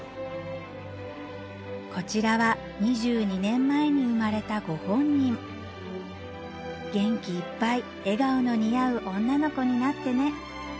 こちらは２２年前に生まれたご本人「元気いっぱい笑顔の似合う女の子になってね」